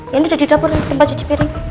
ini udah di dapur tempat cuci piring